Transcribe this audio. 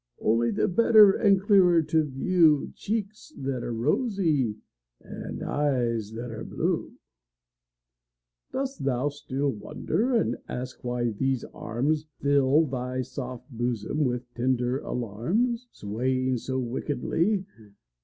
Only the better and clearer to view Cheeks that are rosy and eyes that are blue. Dost thou still wonder, and ask why these arms Fill thy soft bosom with tender alarms, Swaying so wickedly?